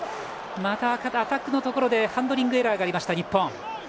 また、アタックのところでハンドリングエラーがありました。